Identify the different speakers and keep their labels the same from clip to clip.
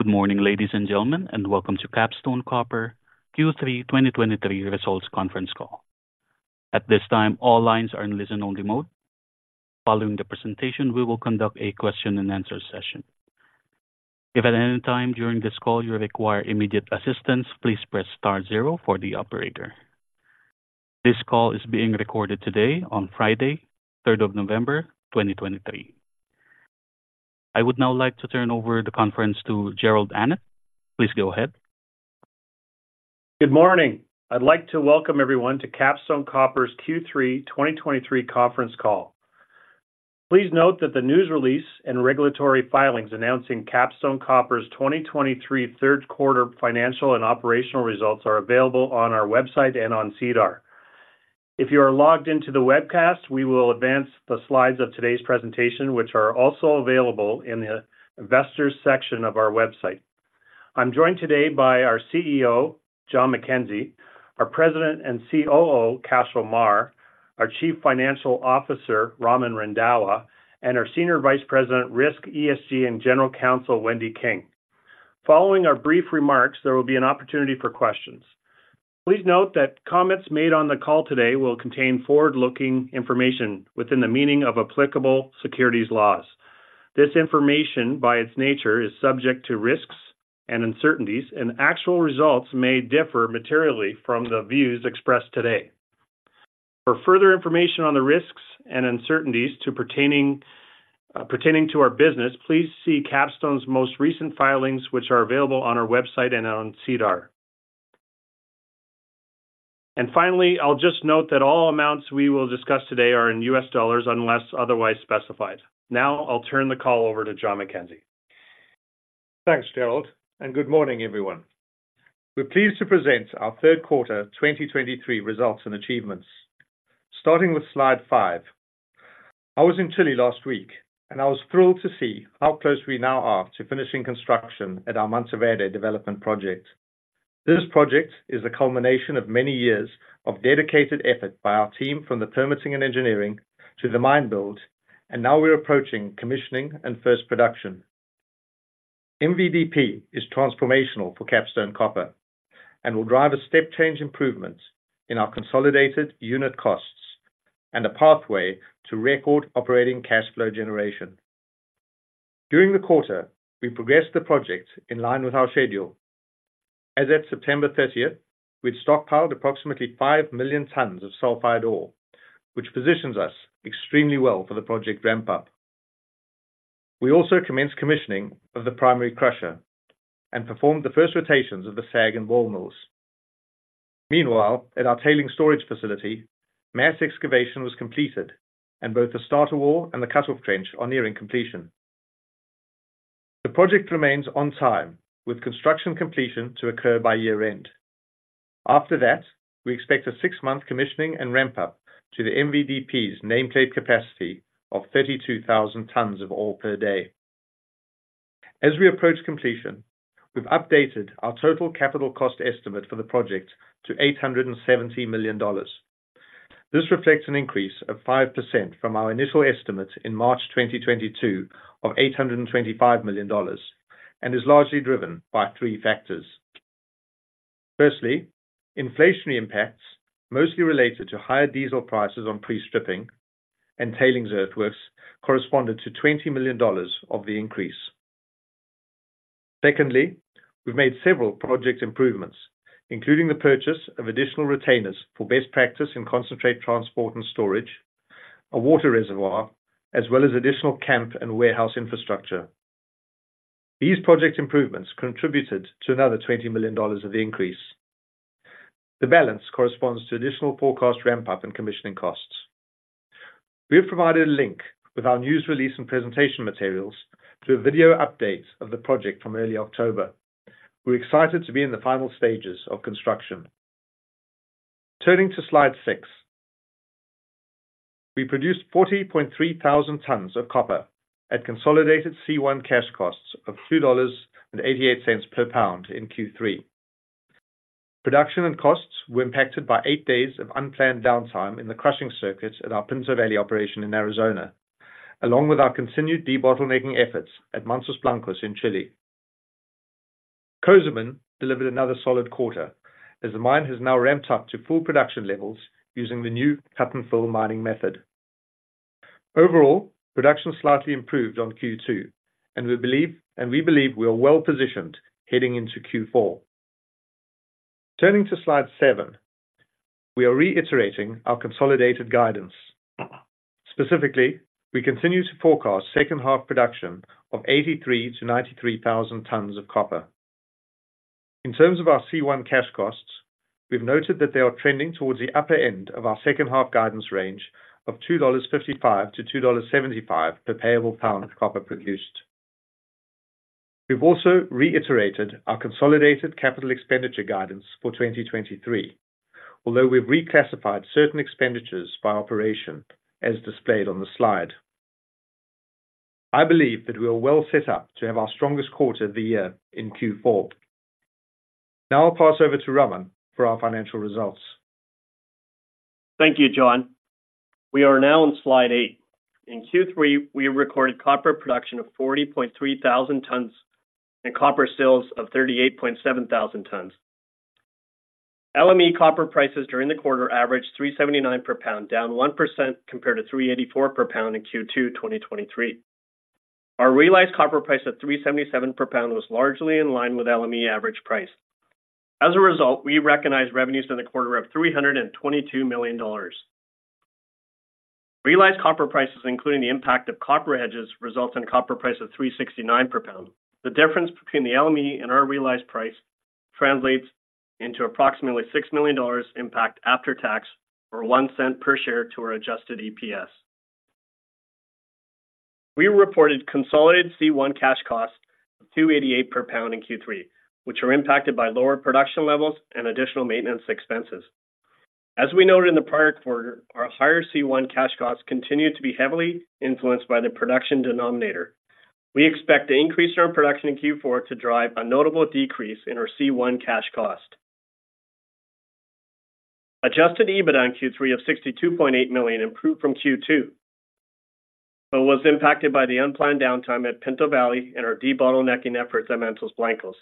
Speaker 1: Good morning, ladies and gentlemen, and welcome to Capstone Copper Q3 2023 Results Conference Call. At this time, all lines are in listen-only mode. Following the presentation, we will conduct a question-and-answer session. If at any time during this call you require immediate assistance, please press star zero for the operator. This call is being recorded today on Friday, 3rd of November, 2023. I would now like to turn over the conference to Jerrold Annett. Please go ahead.
Speaker 2: Good morning. I'd like to welcome everyone to Capstone Copper's Q3 2023 conference call. Please note that the news release and regulatory filings announcing Capstone Copper's 2023 third quarter financial and operational results are available on our website and on SEDAR. If you are logged into the webcast, we will advance the slides of today's presentation, which are also available in the investors section of our website. I'm joined today by our CEO, John MacKenzie, our President and COO, Cashel Meagher, our Chief Financial Officer, Raman Randhawa, and our Senior Vice President, Risk, ESG, and General Counsel, Wendy King. Following our brief remarks, there will be an opportunity for questions. Please note that comments made on the call today will contain forward-looking information within the meaning of applicable securities laws. This information, by its nature, is subject to risks and uncertainties, and actual results may differ materially from the views expressed today. For further information on the risks and uncertainties pertaining to our business, please see Capstone's most recent filings, which are available on our website and on SEDAR. And finally, I'll just note that all amounts we will discuss today are in US dollars, unless otherwise specified. Now, I'll turn the call over to John MacKenzie.
Speaker 3: Thanks, Jerrold, and good morning, everyone. We're pleased to present our third quarter 2023 results and achievements. Starting with slide 5. I was in Chile last week, and I was thrilled to see how close we now are to finishing construction at our Mantoverde Development Project. This project is a culmination of many years of dedicated effort by our team, from the permitting and engineering to the mine build, and now we're approaching commissioning and first production. MVDP is transformational for Capstone Copper and will drive a step change improvement in our consolidated unit costs and a pathway to record operating cash flow generation. During the quarter, we progressed the project in line with our schedule. As at September thirtieth, we'd stockpiled approximately 5 million tons of sulfide ore, which positions us extremely well for the project ramp-up. We also commenced commissioning of the primary crusher and performed the first rotations of the SAG and ball mills. Meanwhile, at our tailings storage facility, mass excavation was completed, and both the starter wall and the cut-off trench are nearing completion. The project remains on time, with construction completion to occur by year-end. After that, we expect a six-month commissioning and ramp-up to the MVDP's nameplate capacity of 32,000 tons of ore per day. As we approach completion, we've updated our total capital cost estimate for the project to $870 million. This reflects an increase of 5% from our initial estimate in March 2022 of $825 million, and is largely driven by three factors. Firstly, inflationary impacts, mostly related to higher diesel prices on pre-stripping and tailings earthworks, corresponded to $20 million of the increase. Secondly, we've made several project improvements, including the purchase of additional Rotainers for best practice in concentrate, transport, and storage, a water reservoir, as well as additional camp and warehouse infrastructure. These project improvements contributed to another $20 million of the increase. The balance corresponds to additional forecast ramp-up and commissioning costs. We have provided a link with our news release and presentation materials to a video update of the project from early October. We're excited to be in the final stages of construction. Turning to slide 6. We produced 40.3 thousand tons of copper at consolidated C1 cash costs of $2.88 per pound in Q3. Production and costs were impacted by 8 days of unplanned downtime in the crushing circuits at our Pinto Valley operation in Arizona, along with our continued debottlenecking efforts at Mantos Blancos in Chile. Cozamin delivered another solid quarter as the mine has now ramped up to full production levels using the new cut-and-fill mining method. Overall, production slightly improved on Q2, and we believe, and we believe we are well positioned heading into Q4. Turning to slide 7, we are reiterating our consolidated guidance. Specifically, we continue to forecast second half production of 83,000-93,000 tons of copper. In terms of our C1 cash costs, we've noted that they are trending towards the upper end of our second half guidance range of $2.55-$2.75 per payable pound of copper produced. We've also reiterated our consolidated capital expenditure guidance for 2023, although we've reclassified certain expenditures by operation as displayed on the slide. I believe that we are well set up to have our strongest quarter of the year in Q4. Now I'll pass over to Raman for our financial results.
Speaker 4: Thank you, John. We are now on slide 8. In Q3, we recorded copper production of 40,300 tons and copper sales of 38,700 tons. LME copper prices during the quarter averaged $3.79 per pound, down 1% compared to $3.84 per pound in Q2, 2023. Our realized copper price of $3.77 per pound was largely in line with LME average price. As a result, we recognized revenues in the quarter of $322 million. Realized copper prices, including the impact of copper hedges, results in copper price of $3.69 per pound. The difference between the LME and our realized price translates into approximately $6 million impact after tax, or $0.01 per share to our adjusted EPS. We reported consolidated C1 cash costs of $2.88 per pound in Q3, which were impacted by lower production levels and additional maintenance expenses. As we noted in the prior quarter, our higher C1 cash costs continue to be heavily influenced by the production denominator. We expect to increase our production in Q4 to drive a notable decrease in our C1 cash cost. Adjusted EBITDA in Q3 of $62.8 million improved from Q2, but was impacted by the unplanned downtime at Pinto Valley and our debottlenecking efforts at Mantos Blancos.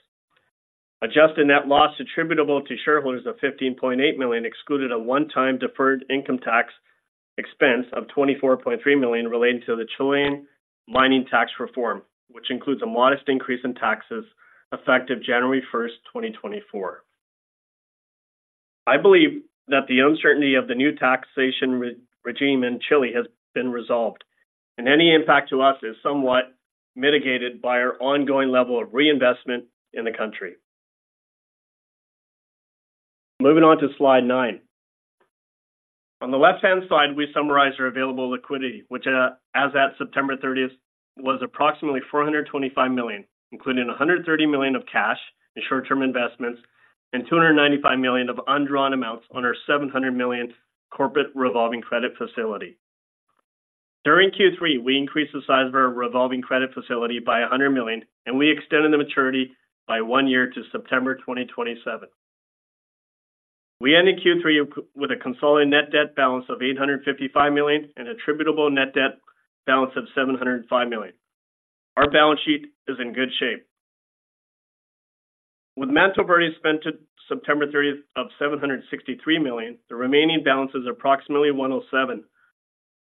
Speaker 4: Adjusted net loss attributable to shareholders of $15.8 million, excluded a one-time deferred income tax expense of $24.3 million related to the Chilean mining tax reform, which includes a modest increase in taxes effective January 1, 2024. I believe that the uncertainty of the new taxation regime in Chile has been resolved, and any impact to us is somewhat mitigated by our ongoing level of reinvestment in the country. Moving on to slide 9. On the left-hand side, we summarize our available liquidity, which, as at September 30th, was approximately $425 million, including $130 million of cash and short-term investments, and $295 million of undrawn amounts on our $700 million corporate revolving credit facility. During Q3, we increased the size of our revolving credit facility by $100 million, and we extended the maturity by one year to September 2027. We ended Q3 with a consolidated net debt balance of $855 million and attributable net debt balance of $705 million. Our balance sheet is in good shape. With Mantoverde spent to September 30th of $763 million, the remaining balance is approximately $107 million.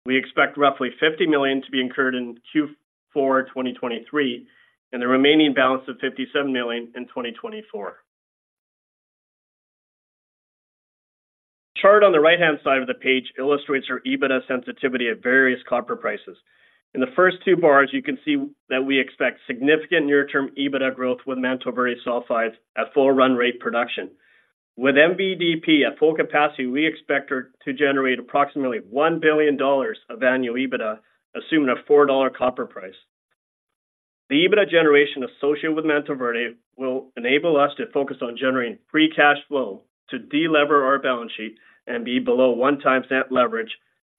Speaker 4: We expect roughly $50 million to be incurred in Q4 2023, and the remaining balance of $57 million in 2024. The chart on the right-hand side of the page illustrates our EBITDA sensitivity at various copper prices. In the first two bars, you can see that we expect significant near-term EBITDA growth with Mantoverde sulfides at full run-rate production. With MVDP at full capacity, we expect it to generate approximately $1 billion of annual EBITDA, assuming a $4 copper price. The EBITDA generation associated with Mantoverde will enable us to focus on generating free cash flow to delever our balance sheet and be below 1x net leverage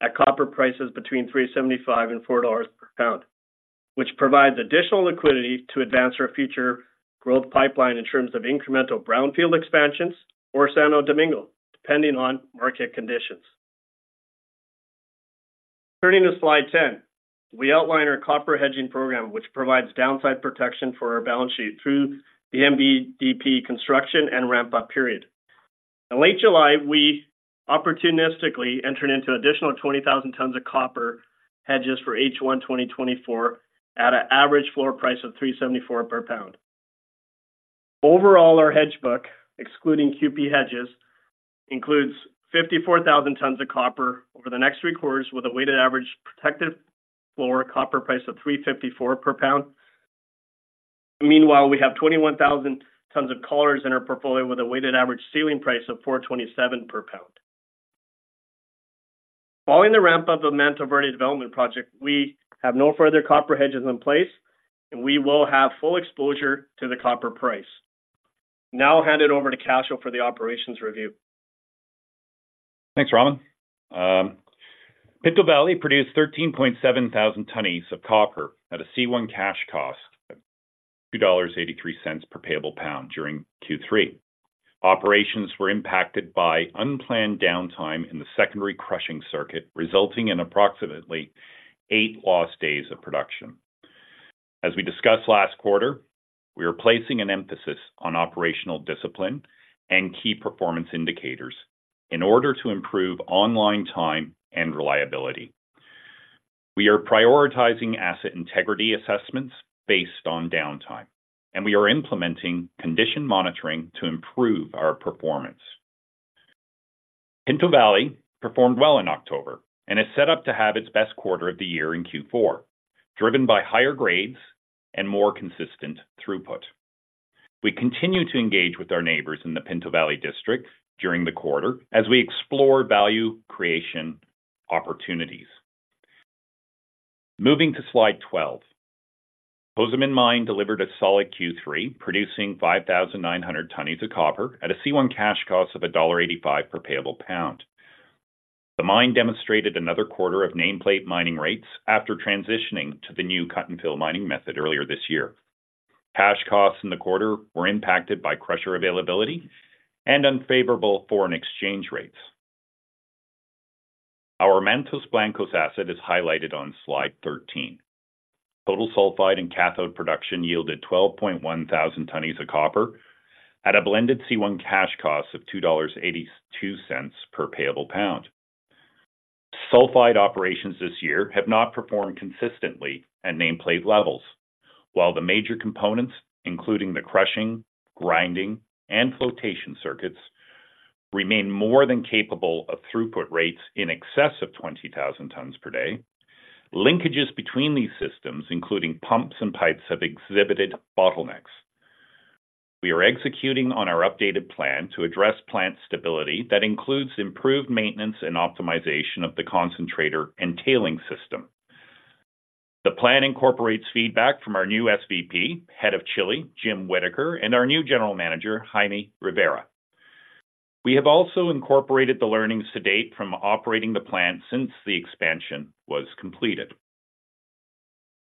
Speaker 4: at copper prices between $3.75 and $4 per pound, which provides additional liquidity to advance our future growth pipeline in terms of incremental brownfield expansions or Santo Domingo, depending on market conditions. Turning to slide 10, we outline our copper hedging program, which provides downside protection for our balance sheet through the MVDP construction and ramp-up period. In late July, we opportunistically entered into an additional 20,000 tons of copper hedges for H1 2024, at an average floor price of $3.74 per pound. Overall, our hedge book, excluding QP hedges, includes 54,000 tons of copper over the next three quarters, with a weighted average protective floor copper price of $3.54 per pound. Meanwhile, we have 21,000 tons of collars in our portfolio with a weighted average ceiling price of $4.27 per pound. Following the ramp-up of Mantoverde Development Project, we have no further copper hedges in place, and we will have full exposure to the copper price. Now I'll hand it over to Cashel for the operations review.
Speaker 5: Thanks, Raman. Pinto Valley produced 13,700 tonnes of copper at a C1 cash cost of $2.83 per payable pound during Q3. Operations were impacted by unplanned downtime in the secondary crushing circuit, resulting in approximately eight lost days of production. As we discussed last quarter, we are placing an emphasis on operational discipline and key performance indicators in order to improve online time and reliability. We are prioritizing asset integrity assessments based on downtime, and we are implementing condition monitoring to improve our performance. Pinto Valley performed well in October and is set up to have its best quarter of the year in Q4, driven by higher grades and more consistent throughput. We continued to engage with our neighbors in the Pinto Valley district during the quarter as we explore value creation opportunities. Moving to slide 12. Cozamin mine delivered a solid Q3, producing 5,900 tonnes of copper at a C1 cash cost of $1.85 per payable pound. The mine demonstrated another quarter of nameplate mining rates after transitioning to the new cut-and-fill mining method earlier this year. Cash costs in the quarter were impacted by crusher availability and unfavorable foreign exchange rates. Our Mantos Blancos asset is highlighted on slide 13. Total sulfide and cathode production yielded 12,100 tonnes of copper at a blended C1 cash cost of $2.82 per payable pound. Sulfide operations this year have not performed consistently at nameplate levels, while the major components, including the crushing, grinding, and flotation circuits, remain more than capable of throughput rates in excess of 20,000 tonnes per day. Linkages between these systems, including pumps and pipes, have exhibited bottlenecks. We are executing on our updated plan to address plant stability that includes improved maintenance and optimization of the concentrator and tailings system. The plan incorporates feedback from our new SVP, Head of Chile, Jim Whittaker, and our new General Manager, Jaime Rivera. We have also incorporated the learnings to date from operating the plant since the expansion was completed.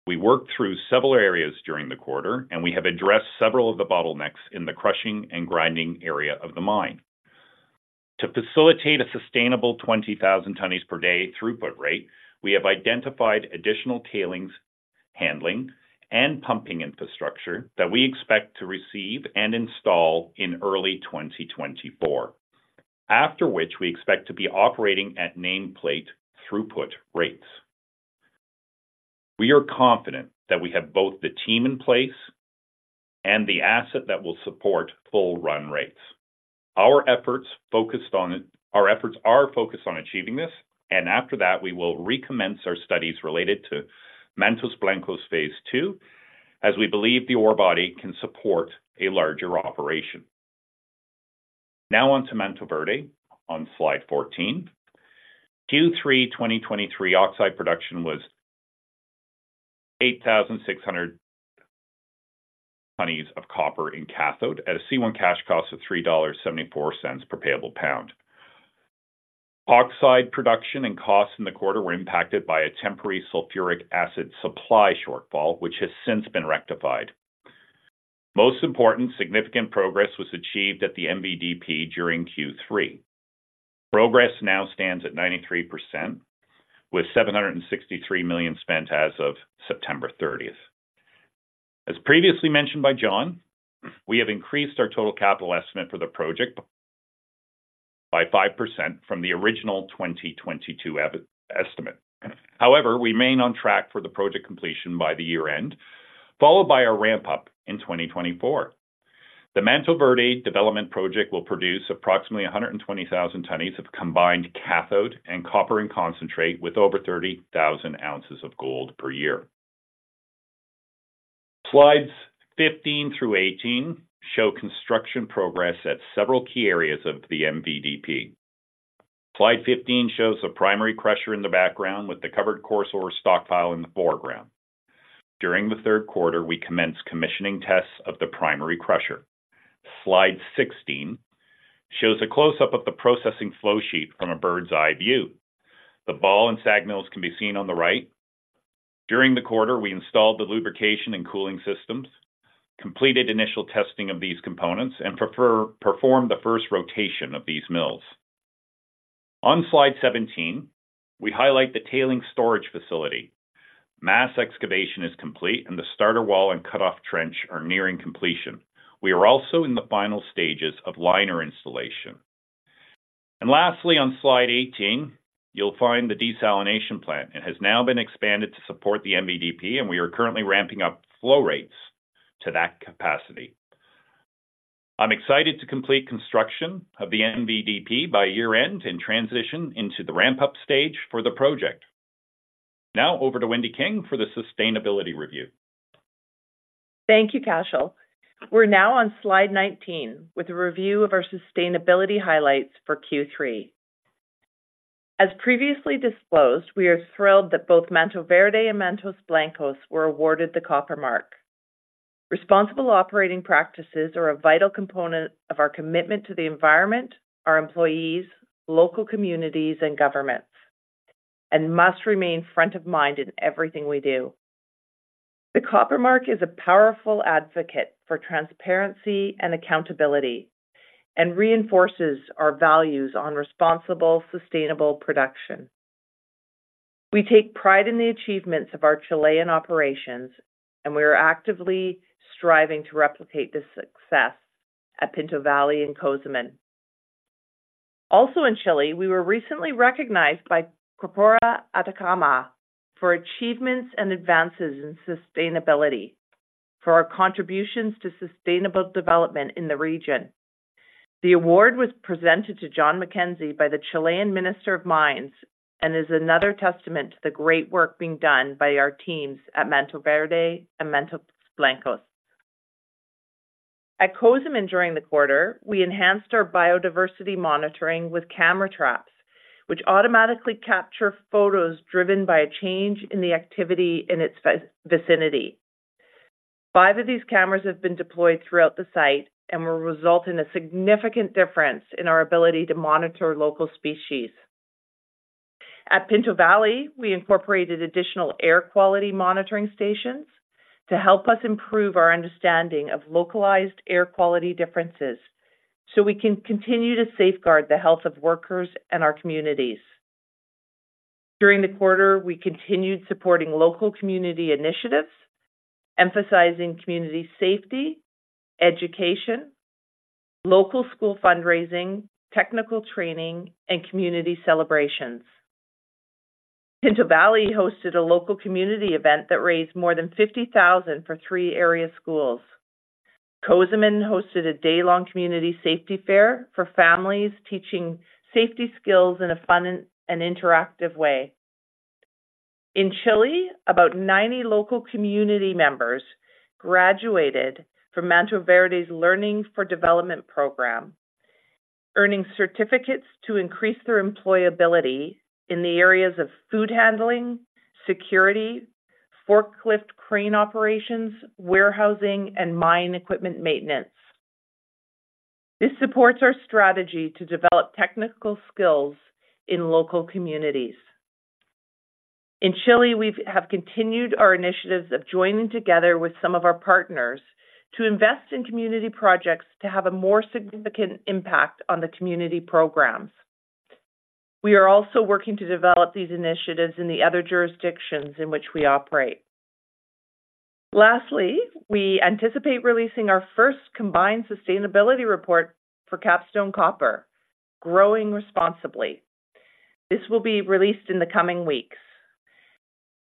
Speaker 5: We worked through several areas during the quarter, and we have addressed several of the bottlenecks in the crushing and grinding area of the mine. To facilitate a sustainable 20,000 tonnes per day throughput rate, we have identified additional tailings, handling, and pumping infrastructure that we expect to receive and install in early 2024, after which we expect to be operating at nameplate throughput rates. We are confident that we have both the team in place and the asset that will support full run rates. Our efforts are focused on achieving this, and after that, we will recommence our studies related to Mantos Blancos Phase Two, as we believe the ore body can support a larger operation. Now on to Mantoverde, on slide 14. Q3 2023 oxide production was 8,600 tons of copper in cathode at a C1 cash cost of $3.74 per payable pound. Oxide production and costs in the quarter were impacted by a temporary sulfuric acid supply shortfall, which has since been rectified. Most important, significant progress was achieved at the MVDP during Q3. Progress now stands at 93%, with $763 million spent as of September 30. As previously mentioned by John, we have increased our total capital estimate for the project by 5% from the original 2022 estimate. However, we remain on track for the project completion by the year-end, followed by a ramp-up in 2024. The Mantoverde Development Project will produce approximately 120,000 tonnes of combined cathode and copper and concentrate, with over 30,000 ounces of gold per year. Slides 15 through 18 show construction progress at several key areas of the MVDP. Slide 15 shows the primary crusher in the background with the covered coarse ore stockpile in the foreground. During the third quarter, we commenced commissioning tests of the primary crusher. Slide 16 shows a close-up of the processing flow sheet from a bird's-eye view. The ball and SAG mills can be seen on the right. During the quarter, we installed the lubrication and cooling systems, completed initial testing of these components, and performed the first rotation of these mills. On slide 17, we highlight the tailing storage facility. Mass excavation is complete, and the starter wall and cutoff trench are nearing completion. We are also in the final stages of liner installation. Lastly, on slide 18, you'll find the desalination plant. It has now been expanded to support the MVDP, and we are currently ramping up flow rates to that capacity. I'm excited to complete construction of the MVDP by year-end and transition into the ramp-up stage for the project. Now over to Wendy King for the sustainability review.
Speaker 6: Thank you, Cashel. We're now on slide 19 with a review of our sustainability highlights for Q3. As previously disclosed, we are thrilled that both Mantoverde and Mantos Blancos were awarded the Copper Mark. Responsible operating practices are a vital component of our commitment to the environment, our employees, local communities, and governments, and must remain front of mind in everything we do. The Copper Mark is a powerful advocate for transparency and accountability and reinforces our values on responsible, sustainable production. We take pride in the achievements of our Chilean operations, and we are actively striving to replicate this success at Pinto Valley and Cozamin. Also in Chile, we were recently recognized by Corporación Atacama for achievements and advances in sustainability, for our contributions to sustainable development in the region. The award was presented to John MacKenzie by the Chilean Minister of Mines and is another testament to the great work being done by our teams at Mantoverde and Mantos Blancos. At Cozamin during the quarter, we enhanced our biodiversity monitoring with camera traps, which automatically capture photos driven by a change in the activity in its vicinity. Five of these cameras have been deployed throughout the site and will result in a significant difference in our ability to monitor local species.... At Pinto Valley, we incorporated additional air quality monitoring stations to help us improve our understanding of localized air quality differences, so we can continue to safeguard the health of workers and our communities. During the quarter, we continued supporting local community initiatives, emphasizing community safety, education, local school fundraising, technical training, and community celebrations. Pinto Valley hosted a local community event that raised more than $50,000 for three area schools. Cozamin hosted a day-long community safety fair for families, teaching safety skills in a fun and interactive way. In Chile, about 90 local community members graduated from Mantoverde's Learning for Development program, earning certificates to increase their employability in the areas of food handling, security, forklift crane operations, warehousing, and mine equipment maintenance. This supports our strategy to develop technical skills in local communities. In Chile, we've continued our initiatives of joining together with some of our partners to invest in community projects to have a more significant impact on the community programs. We are also working to develop these initiatives in the other jurisdictions in which we operate. Lastly, we anticipate releasing our first combined sustainability report for Capstone Copper, Growing Responsibly. This will be released in the coming weeks.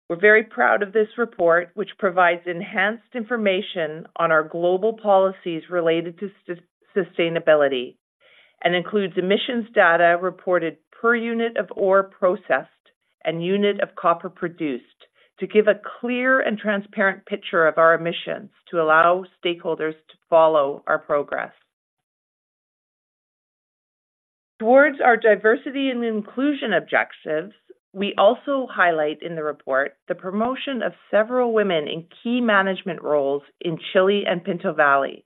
Speaker 6: We're very proud of this report, which provides enhanced information on our global policies related to sustainability, and includes emissions data reported per unit of ore processed and unit of copper produced, to give a clear and transparent picture of our emissions, to allow stakeholders to follow our progress. Towards our diversity and inclusion objectives, we also highlight in the report the promotion of several women in key management roles in Chile and Pinto Valley.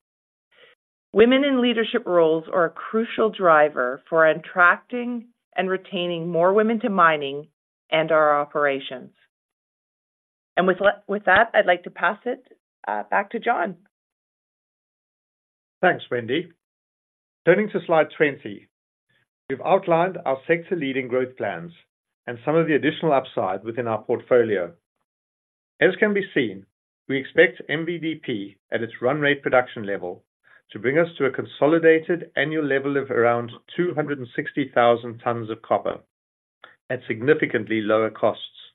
Speaker 6: Women in leadership roles are a crucial driver for attracting and retaining more women to mining and our operations. With that, I'd like to pass it back to John.
Speaker 3: Thanks, Wendy. Turning to slide 20, we've outlined our sector-leading growth plans and some of the additional upside within our portfolio. As can be seen, we expect MVDP, at its run rate production level, to bring us to a consolidated annual level of around 260,000 tons of copper at significantly lower costs.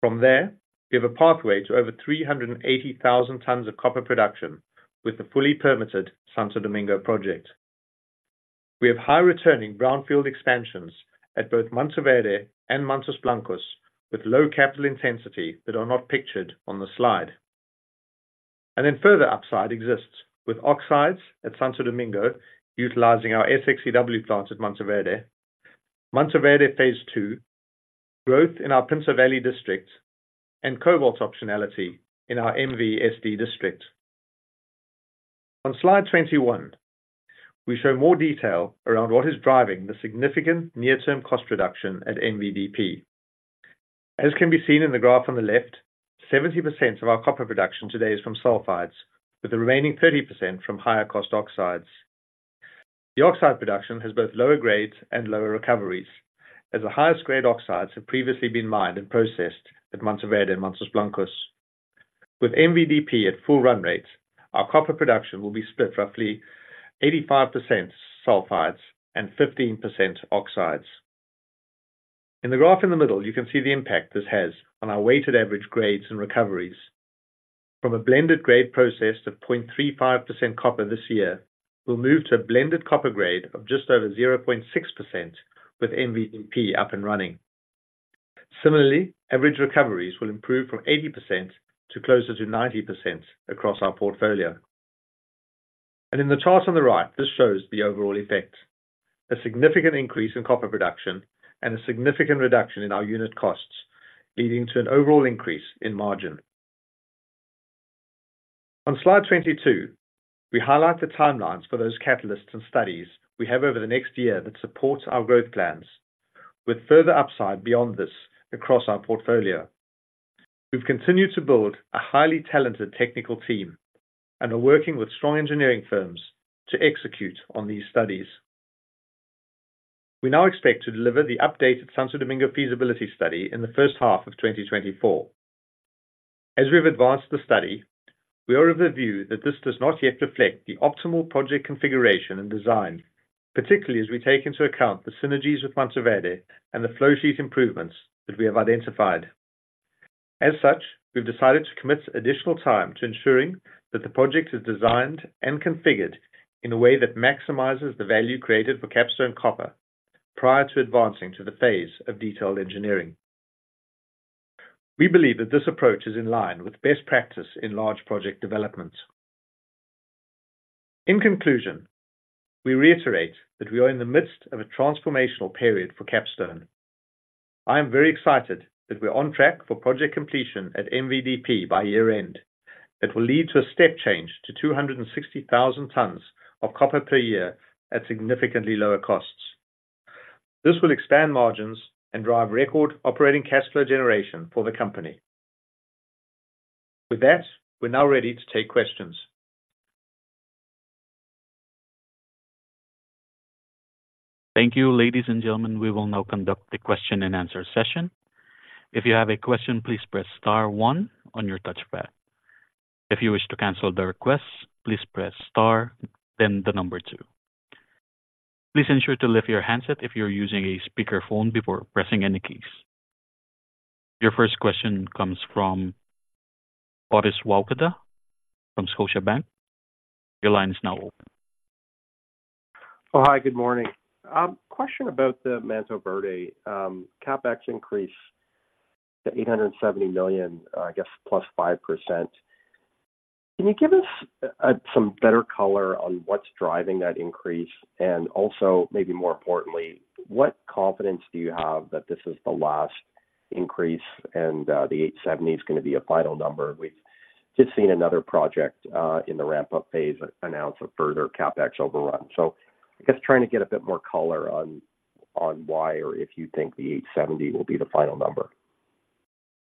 Speaker 3: From there, we have a pathway to over 380,000 tons of copper production with the fully permitted Santo Domingo project. We have high-returning brownfield expansions at both Mantoverde and Mantos Blancos, with low capital intensity, that are not pictured on the slide. And then further upside exists with oxides at Santo Domingo, utilizing our SX-EW plants at Mantoverde, Mantoverde Phase Two, growth in our Pinto Valley district, and cobalt optionality in our MV/SD district. On slide 21, we show more detail around what is driving the significant near-term cost reduction at MVDP. As can be seen in the graph on the left, 70% of our copper production today is from sulfides, with the remaining 30% from higher cost oxides. The oxide production has both lower grades and lower recoveries, as the highest grade oxides have previously been mined and processed at Mantoverde and Mantos Blancos. With MVDP at full run rate, our copper production will be split roughly 85% sulfides and 15% oxides. In the graph in the middle, you can see the impact this has on our weighted average grades and recoveries. From a blended grade process of 0.35% copper this year, we'll move to a blended copper grade of just over 0.6% with MVDP up and running. Similarly, average recoveries will improve from 80% to closer to 90% across our portfolio. In the chart on the right, this shows the overall effect, a significant increase in copper production and a significant reduction in our unit costs, leading to an overall increase in margin. On slide 22, we highlight the timelines for those catalysts and studies we have over the next year that support our growth plans, with further upside beyond this across our portfolio. We've continued to build a highly talented technical team and are working with strong engineering firms to execute on these studies. We now expect to deliver the updated Santo Domingo feasibility study in the first half of 2024. As we've advanced the study, we are of the view that this does not yet reflect the optimal project configuration and design, particularly as we take into account the synergies with Mantoverde and the flow sheet improvements that we have identified. As such, we've decided to commit additional time to ensuring that the project is designed and configured in a way that maximizes the value created for Capstone Copper prior to advancing to the phase of detailed engineering. We believe that this approach is in line with best practice in large project developments. In conclusion, we reiterate that we are in the midst of a transformational period for Capstone. I am very excited that we're on track for project completion at MVDP by year-end. That will lead to a step change to 260,000 tons of copper per year at significantly lower costs. This will expand margins and drive record operating cash flow generation for the company. With that, we're now ready to take questions.
Speaker 1: Thank you, ladies and gentlemen. We will now conduct the question and answer session. If you have a question, please press star one on your touchpad. If you wish to cancel the request, please press star, then the number two. Please ensure to lift your handset if you're using a speakerphone before pressing any keys. Your first question comes from Orest Wowkodaw from Scotiabank. Your line is now open.
Speaker 7: Oh, hi, good morning. Question about the Mantoverde, CapEx increase to $870 million, I guess +5%. Can you give us some better color on what's driving that increase? And also, maybe more importantly, what confidence do you have that this is the last increase and the $870 is gonna be a final number? We've just seen another project in the ramp-up phase announce a further CapEx overrun. So I guess trying to get a bit more color on why, or if you think the $870 will be the final number.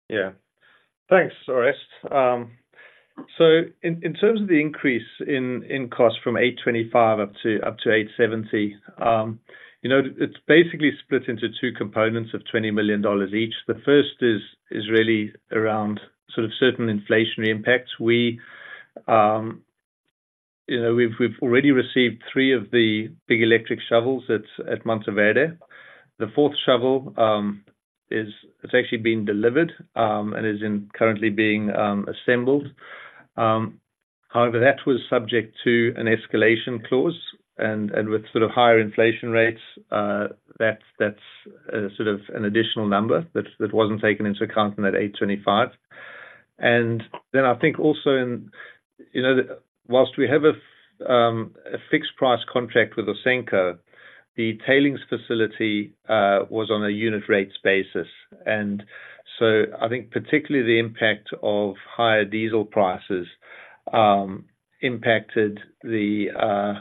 Speaker 3: Yeah. Thanks, Orest. So in terms of the increase in costs from $825 million up to $870 million, you know, it's basically split into two components of $20 million each. The first is really around sort of certain inflationary impacts. We, you know, we've already received 3 of the big electric shovels at Mantoverde. The fourth shovel is. It's actually been delivered, and is currently being assembled. However, that was subject to an escalation clause, and with sort of higher inflation rates, that's sort of an additional number that wasn't taken into account in that $825 million. And then I think also, you know, whilst we have a fixed price contract with Ausenco, the tailings facility was on a unit rates basis. I think particularly the impact of higher diesel prices impacted the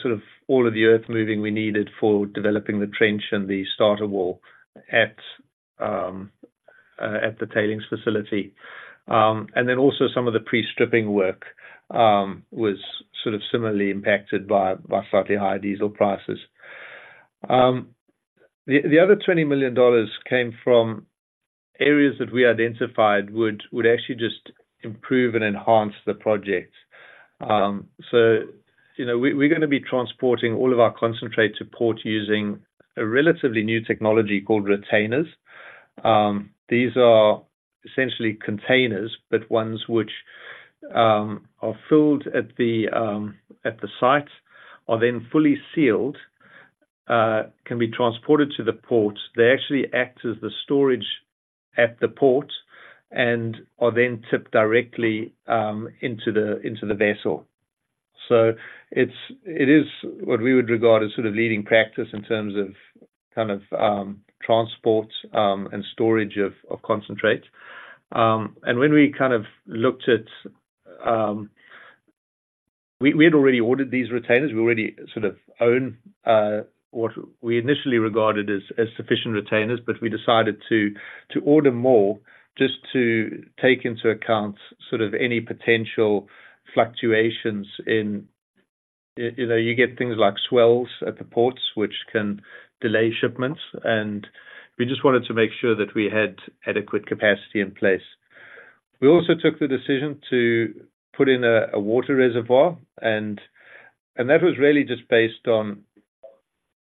Speaker 3: sort of all of the earth moving we needed for developing the trench and the starter wall at the tailings facility. Then also some of the pre-stripping work was sort of similarly impacted by slightly higher diesel prices. The other $20 million came from areas that we identified would actually just improve and enhance the project. So, you know, we're gonna be transporting all of our concentrate to port using a relatively new technology called Rotainers. These are essentially containers, but ones which are filled at the site, are then fully sealed, can be transported to the port. They actually act as the storage at the port and are then tipped directly into the vessel. So it is what we would regard as sort of leading practice in terms of kind of transport and storage of concentrates. And when we kind of looked at... We had already ordered these Rotainers. We already sort of own what we initially regarded as sufficient Rotainers, but we decided to order more just to take into account sort of any potential fluctuations in, you know, you get things like swells at the ports, which can delay shipments, and we just wanted to make sure that we had adequate capacity in place.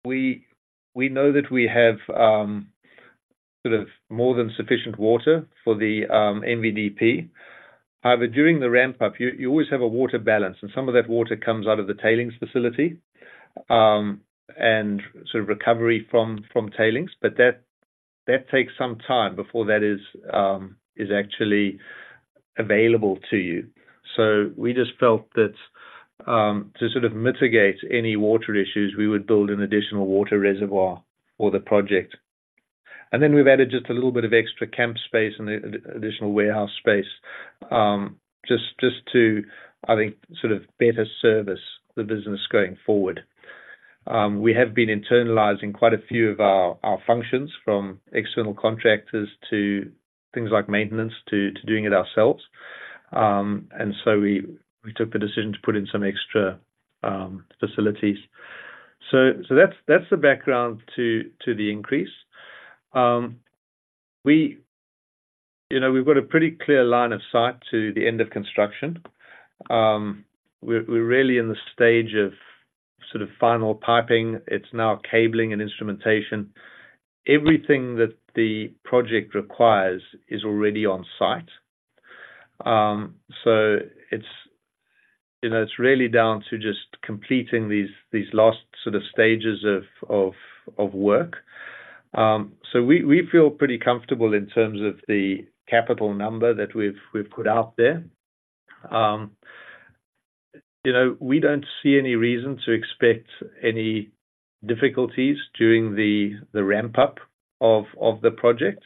Speaker 3: We also took the decision to put in a water reservoir, and that was really just based on—we know that we have sort of more than sufficient water for the MVDP. However, during the ramp-up, you always have a water balance, and some of that water comes out of the tailings facility, and sort of recovery from tailings, but that takes some time before that is actually available to you. So we just felt that to sort of mitigate any water issues, we would build an additional water reservoir for the project. And then we've added just a little bit of extra camp space and additional warehouse space, just to, I think, sort of better service the business going forward. We have been internalizing quite a few of our functions, from external contractors to things like maintenance, to doing it ourselves. And so we took the decision to put in some extra facilities. So that's the background to the increase. You know, we've got a pretty clear line of sight to the end of construction. We're really in the stage of sort of final piping. It's now cabling and instrumentation. Everything that the project requires is already on site. So it's, you know, it's really down to just completing these last sort of stages of work. So we feel pretty comfortable in terms of the capital number that we've put out there. You know, we don't see any reason to expect any difficulties during the ramp-up of the project.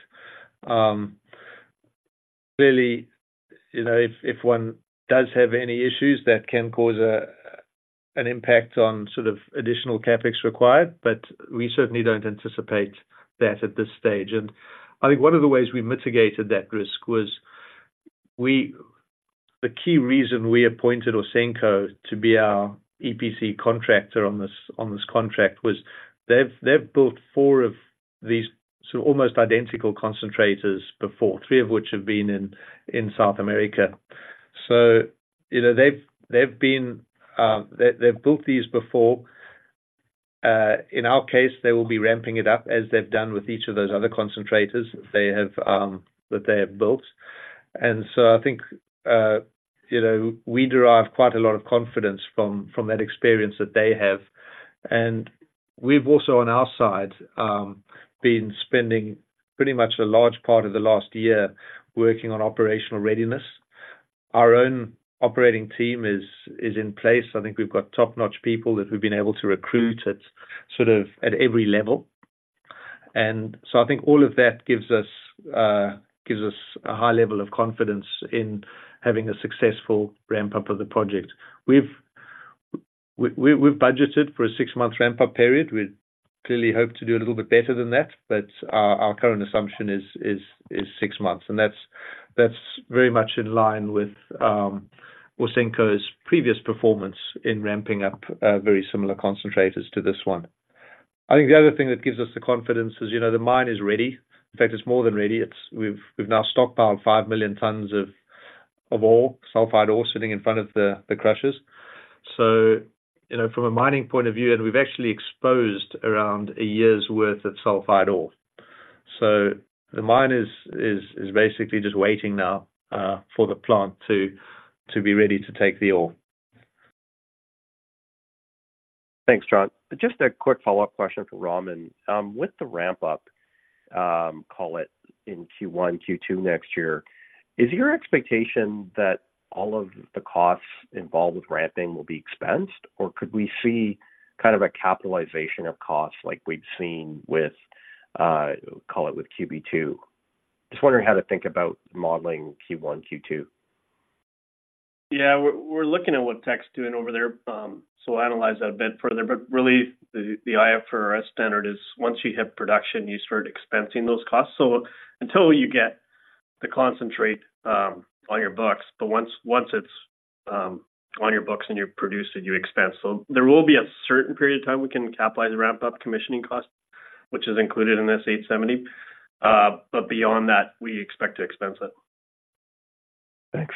Speaker 3: Clearly, you know, if one does have any issues that can cause an impact on sort of additional CapEx required, but we certainly don't anticipate that at this stage. And I think one of the ways we mitigated that risk was the key reason we appointed Ausenco to be our EPC contractor on this contract was they've built 4 of these sort of almost identical concentrators before, 3 of which have been in South America. So, you know, they've built these before. In our case, they will be ramping it up as they've done with each of those other concentrators that they have built. And so I think, you know, we derive quite a lot of confidence from that experience that they have. And we've also, on our side, been spending pretty much a large part of the last year working on operational readiness. Our own operating team is in place. I think we've got top-notch people that we've been able to recruit at, sort of, at every level. And so I think all of that gives us a high level of confidence in having a successful ramp-up of the project. We've budgeted for a six-month ramp-up period. We clearly hope to do a little bit better than that, but our current assumption is six months, and that's very much in line with Ausenco's previous performance in ramping up very similar concentrators to this one. I think the other thing that gives us the confidence is, you know, the mine is ready. In fact, it's more than ready. It's—we've now stockpiled 5 million tons of ore, sulfide ore, sitting in front of the crushers. So, you know, from a mining point of view, and we've actually exposed around a year's worth of sulfide ore. So the mine is basically just waiting now for the plant to be ready to take the ore.
Speaker 7: Thanks, John. Just a quick follow-up question for Raman. With the ramp-up, call it in Q1, Q2 next year, is your expectation that all of the costs involved with ramping will be expensed, or could we see kind of a capitalization of costs like we've seen with, call it with QB2? Just wondering how to think about modeling Q1, Q2.
Speaker 4: Yeah, we're looking at what Teck's doing over there, so we'll analyze that a bit further. But really, the IFRS standard is once you hit production, you start expensing those costs. So until you get the concentrate on your books, but once it's on your books and you produce it, you expense. So there will be a certain period of time we can capitalize the ramp-up commissioning cost, which is included in this $870 million. But beyond that, we expect to expense it.
Speaker 7: Thanks.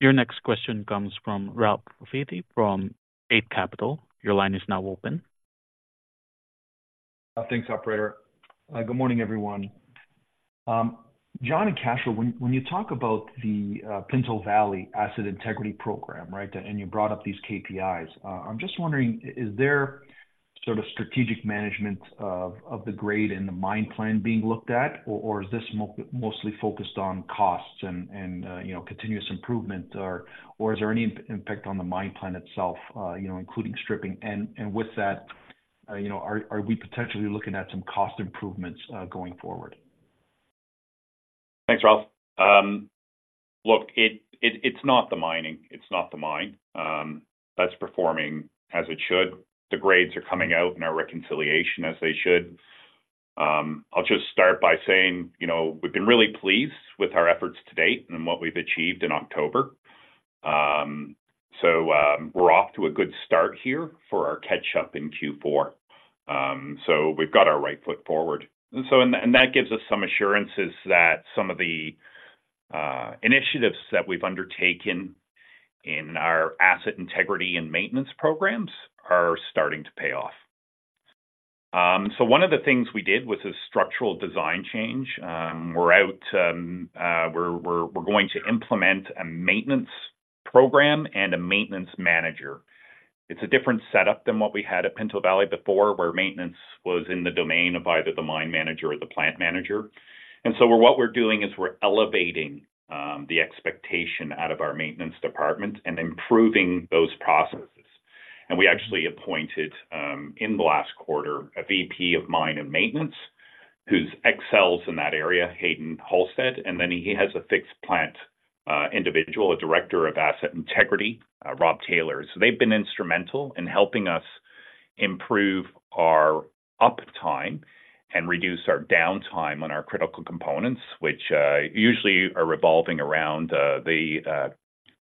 Speaker 1: Your next question comes from Ralph Profiti from Eight Capital. Your line is now open.
Speaker 8: Thanks, operator. Good morning, everyone. John and Cashel, when you talk about the Pinto Valley Asset Integrity Program, right? And you brought up these KPIs, I'm just wondering, is there sort of strategic management of the grade and the mine plan being looked at, or is this mostly focused on costs and you know, continuous improvement? Or is there any impact on the mine plan itself, you know, including stripping? And with that, you know, are we potentially looking at some cost improvements going forward?
Speaker 5: Thanks, Ralph. Look, it, it's not the mining, it's not the mine. That's performing as it should. The grades are coming out in our reconciliation as they should. I'll just start by saying, you know, we've been really pleased with our efforts to date and what we've achieved in October. So, we're off to a good start here for our catch-up in Q4. So we've got our right foot forward. And that gives us some assurances that some of the initiatives that we've undertaken in our asset integrity and maintenance programs are starting to pay off. So one of the things we did was a structural design change. We're going to implement a maintenance program and a maintenance manager. It's a different setup than what we had at Pinto Valley before, where maintenance was in the domain of either the mine manager or the plant manager. So what we're doing is we're elevating the expectation out of our maintenance department and improving those processes. We actually appointed in the last quarter a VP of Mine and Maintenance, who excels in that area, Hayden Halstead, and then he has a fixed plant individual, a Director of Asset Integrity, Rob Taylor. So they've been instrumental in helping us improve our uptime and reduce our downtime on our critical components, which usually are revolving around the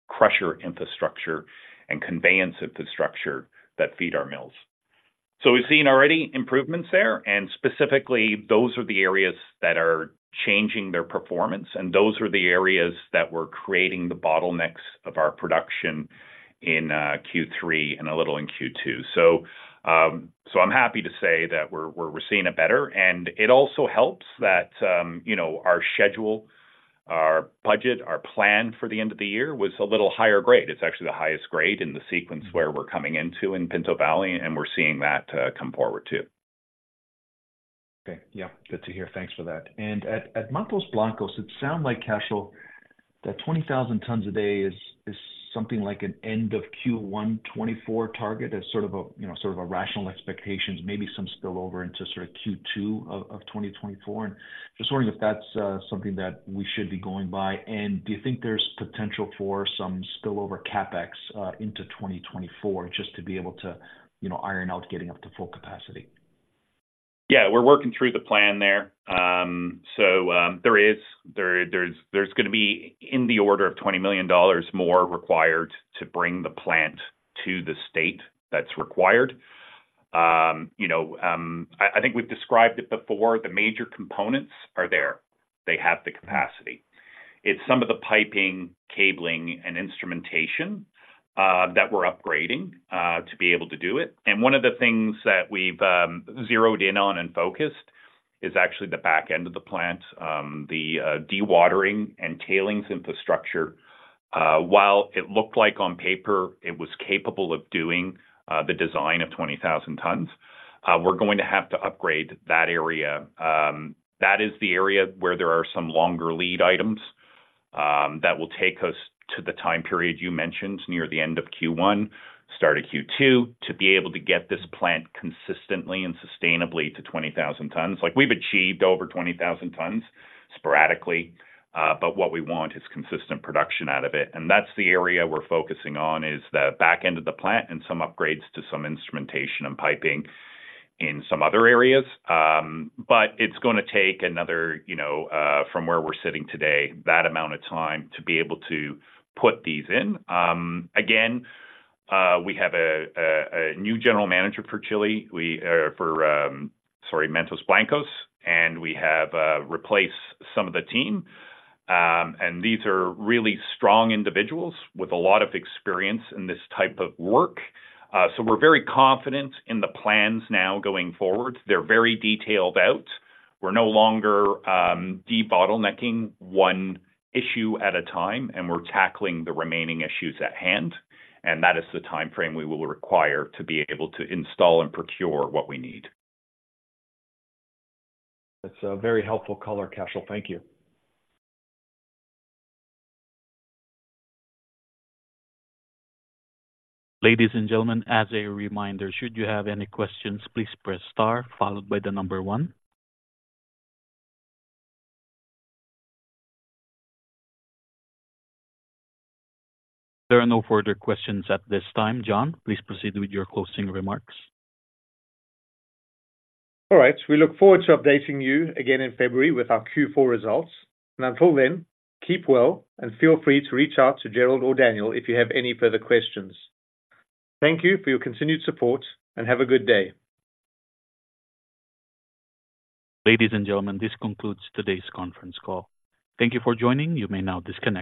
Speaker 5: crusher infrastructure and conveyance infrastructure that feed our mills. So we've seen already improvements there, and specifically, those are the areas that are changing their performance, and those are the areas that were creating the bottlenecks of our production in Q3 and a little in Q2. So I'm happy to say that we're seeing it better. And it also helps that, you know, our budget, our plan for the end of the year was a little higher grade. It's actually the highest grade in the sequence where we're coming into in Pinto Valley, and we're seeing that come forward, too.
Speaker 8: Okay. Yeah, good to hear. Thanks for that. And at Mantos Blancos, it sounds like, Cashel, that 20,000 tons a day is something like an end of Q1 2024 target as sort of a, you know, sort of a rational expectations, maybe some spillover into sort of Q2 of 2024. And just wondering if that's something that we should be going by, and do you think there's potential for some spillover CapEx into 2024, just to be able to, you know, iron out getting up to full capacity?
Speaker 5: Yeah, we're working through the plan there. So, there is... There, there's, there's gonna be in the order of $20 million more required to bring the plant to the state that's required. You know, I think we've described it before, the major components are there. They have the capacity. It's some of the piping, cabling, and instrumentation that we're upgrading to be able to do it. And one of the things that we've zeroed in on and focused is actually the back end of the plant, the dewatering and tailings infrastructure. While it looked like on paper, it was capable of doing the design of 20,000 tons, we're going to have to upgrade that area. That is the area where there are some longer lead items, that will take us to the time period you mentioned, near the end of Q1, start of Q2, to be able to get this plant consistently and sustainably to 20,000 tons. Like, we've achieved over 20,000 tons sporadically, but what we want is consistent production out of it. And that's the area we're focusing on, is the back end of the plant and some upgrades to some instrumentation and piping in some other areas. But it's gonna take another, you know, from where we're sitting today, that amount of time to be able to put these in. Again, we have a new General Manager for Chile. We for, sorry, Mantos Blancos, and we have replaced some of the team. And these are really strong individuals with a lot of experience in this type of work. So we're very confident in the plans now going forward. They're very detailed out. We're no longer debottlenecking one issue at a time, and we're tackling the remaining issues at hand, and that is the timeframe we will require to be able to install and procure what we need.
Speaker 8: That's a very helpful color, Cashel. Thank you.
Speaker 1: Ladies and gentlemen, as a reminder, should you have any questions, please press star followed by the number one. There are no further questions at this time. John, please proceed with your closing remarks.
Speaker 3: All right. We look forward to updating you again in February with our Q4 results. Until then, keep well and feel free to reach out to Jerrold or Daniel if you have any further questions. Thank you for your continued support, and have a good day.
Speaker 1: Ladies and gentlemen, this concludes today's conference call. Thank you for joining. You may now disconnect.